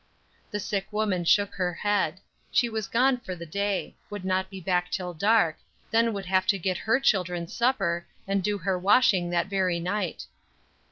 The sick woman shook her head. She was gone for the day: would not be back till dark, then would have to get her children's supper, and do her washing that very night.